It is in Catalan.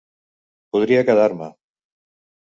Podria quedar-me.